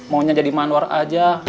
maunya jadi manwar aja